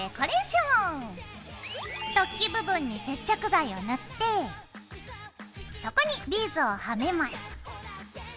突起部分に接着剤を塗ってそこにビーズをはめます。